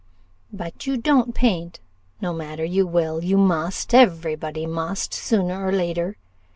"But you don't paint no matter you will you must every body must, sooner or later.